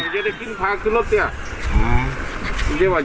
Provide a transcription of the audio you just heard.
ยายเลยค่ะ